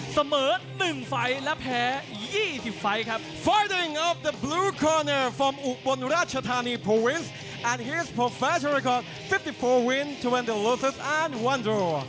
เสมอ๑ไฟล์และแพ้๒๐ไฟล์ครับ